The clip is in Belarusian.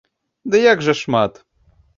Ды як жа шмат!